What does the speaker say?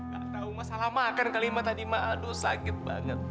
gak tau masalah makan kali ini tadi aduh sakit banget